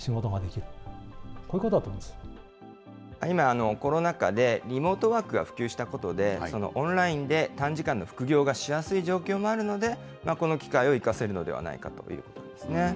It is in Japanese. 今、コロナ禍でリモートワークが普及したことで、オンラインで短時間で副業がしやすい状況もあるので、この機会を生かせるのではないかということですね。